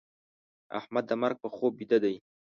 احمد د مرګ په خوب بيده دی.